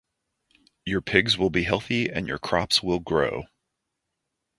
Your pigs will be healthy and your crops will grow.